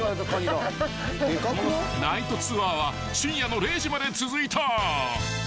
［ナイトツアーは深夜の０時まで続いた］